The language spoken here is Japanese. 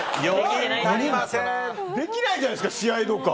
できないじゃないですか試合とか！